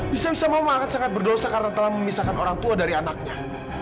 bisa bisa memang akan sangat berdosa karena telah memisahkan orang tua dari anaknya